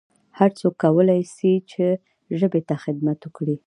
هرڅوک کولای سي چي ژبي ته خدمت وکړي